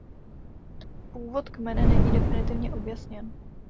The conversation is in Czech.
Původ kmene není definitivně objasněn.